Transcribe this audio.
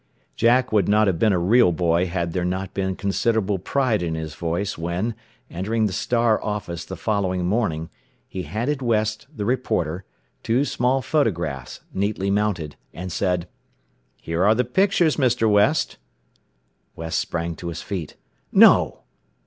Jack would not have been a real boy had there not been considerable pride in his voice when, entering the "Star" office the following morning, he handed West, the reporter, two small photographs, neatly mounted, and said: "Here are the pictures, Mr. West." West sprang to his feet. "No!